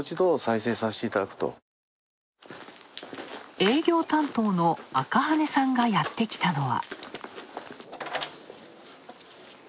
営業担当の赤羽さんがやってきたのは。